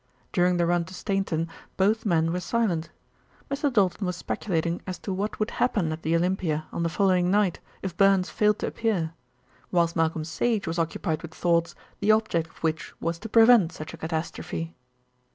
During the run to Stainton both men were silent. Mr. Doulton was speculating as to what would happen at the Olympia on the following night if Burns failed to appear, whilst Malcolm Sage was occupied with thoughts, the object of which was to prevent such a catastrophe.